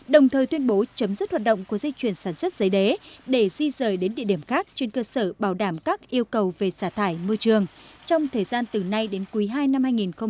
đồng thời tuyên bố chấm dứt hoạt động của dây chuyển sản xuất giấy đế để di rời đến địa điểm khác trên cơ sở bảo đảm các yêu cầu về xả thải môi trường trong thời gian từ nay đến quý ii năm hai nghìn hai mươi